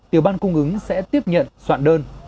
tiểu ban cung ứng sẽ tiếp nhận soạn đơn